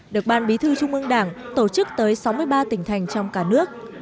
được ban bí thư trung ương đảng tổ chức tới sáu mươi ba tỉnh thành trong cả nước